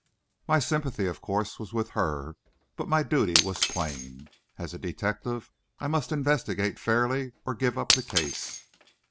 My sympathy, of course, was with her, but my duty was plain. As a detective, I must investigate fairly, or give up the case.